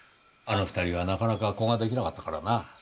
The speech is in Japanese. あの二人はなかなか子ができなかったからな。